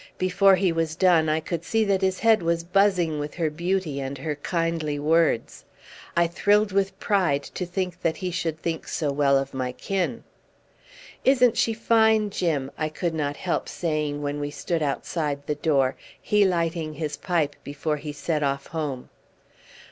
Before he was done I could see that his head was buzzing with her beauty and her kindly words. I thrilled with pride to think that he should think so well of my kin. "Isn't she fine, Jim?" I could not help saying when we stood outside the door, he lighting his pipe before he set off home.